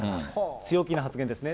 強気な発言ですね。